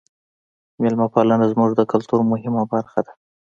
میلمه پالنه زموږ د کلتور مهمه برخه ده.